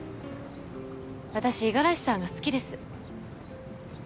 私五十嵐さんが好きです。